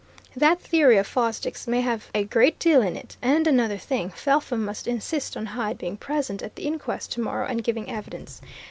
That theory of Fosdick's may have a great deal in it. And another thing Felpham must insist on Hyde being present at the inquest tomorrow and giving evidence.